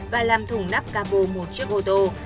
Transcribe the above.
và làm thủng nắp capo một chiếc ô tô